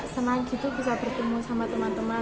senang gitu bisa bertemu sama teman teman